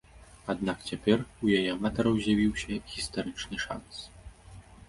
Аднак цяпер у яе аматараў з'явіўся гістарычны шанс.